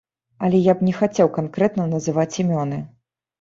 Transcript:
Але я б не хацеў канкрэтна называць імёны.